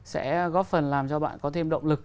sẽ góp phần làm cho bạn có thêm động lực